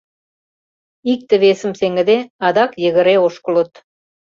Икте-весым сеҥыде, адак йыгыре ошкылыт.